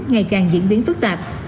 ngày càng diễn biến phức tạp